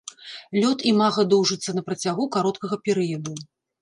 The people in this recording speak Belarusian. Лёт імага доўжыцца на працягу кароткага перыяду.